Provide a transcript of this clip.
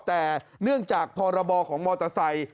แต่เนื่องจากพรบของมอเตอร์ไซค์